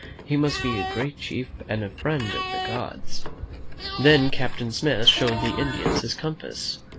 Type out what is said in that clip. He must be a great chief and a friend of the gods." Then Captain Smith showed the Indians his compass.